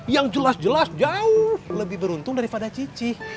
yang jelas jelas jauh lebih beruntung daripada cici